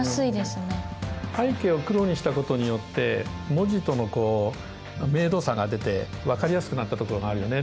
背景を黒にしたことによって文字との明度差が出て分かりやすくなったところがあるよね。